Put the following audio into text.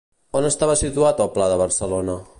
On estava situat el Pla de Barcelona?